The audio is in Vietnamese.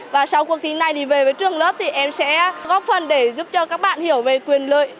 và sau cuộc thi này thì về với trường lớp thì em sẽ góp phần để giúp cho các bạn hiểu về quyền lợi